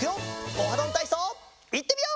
「オハどんたいそう」いってみよう！